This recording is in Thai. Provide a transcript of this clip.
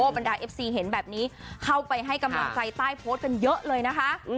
บรรดาเอฟซีเห็นแบบนี้เข้าไปให้กำลังใจใต้โพสต์กันเยอะเลยนะคะ